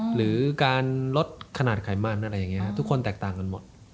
หรือการลดขนาดไขมันอะไรอย่างนี้ทุกคนแตกต่างกันหมด